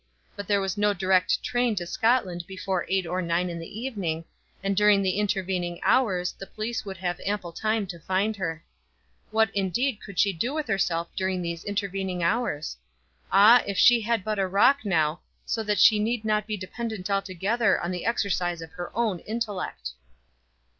But there was no direct train to Scotland before eight or nine in the evening, and during the intervening hours the police would have ample time to find her. What, indeed, could she do with herself during these intervening hours? Ah, if she had but a rock now, so that she need not be dependent altogether on the exercise of her own intellect!